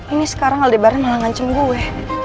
ini sekarang aldebaran malah ngancam gue